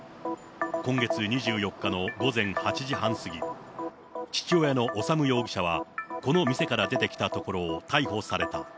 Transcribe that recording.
今月２４日の午前８時半過ぎ、父親の修容疑者は、この店から出てきたところを逮捕された。